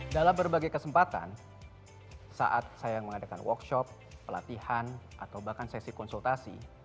dalam berbagai kesempatan saat saya mengadakan workshop pelatihan atau bahkan sesi konsultasi